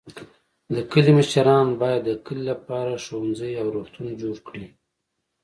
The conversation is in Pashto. د کلي مشران باید د کلي لپاره ښوونځی او روغتون جوړ کړي.